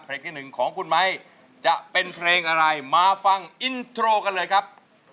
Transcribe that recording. ที่หนึ่งของคุณไม้จะเป็นเพลงอะไรมาฟังอินโทรกันเลยครับ